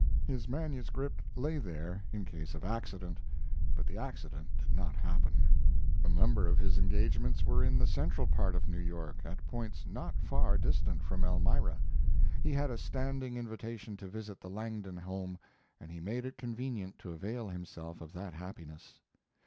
His manuscript lay there in case of accident, but the accident did not happen. A number of his engagements were in the central part of New York, at points not far distant from Elmira. He had a standing invitation to visit the Langdon home, and he made it convenient to avail himself of that happiness.